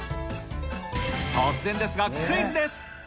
突然ですが、クイズです。